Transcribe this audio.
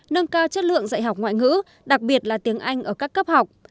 nâng cao chất lượng dạy học ngoại ngữ đặc biệt là tiếng anh ở các cấp học